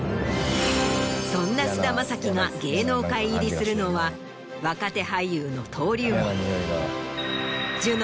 そんな菅田将暉が芸能界入りするのは若手俳優の登竜門。